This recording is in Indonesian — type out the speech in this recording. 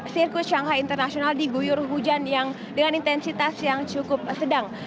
sirkuit shanghai international diguyur hujan yang dengan intensitas yang cukup sedang